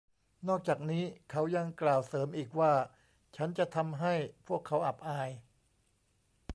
นอกจากนี้เขายังกล่าวเสริมอีกว่า ฉันจะทำให้พวกเขาอับอาย